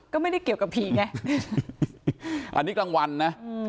ก็ไม่ได้เกี่ยวกับผีไงอันนี้กลางวันนะอืม